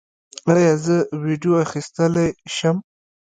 ایا زه ویډیو اخیستلی شم؟